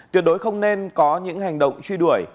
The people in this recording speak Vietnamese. tuyệt đối không nên có những hành động truy đuổi